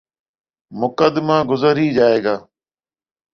مقدمہ گزر ہی جائے گا۔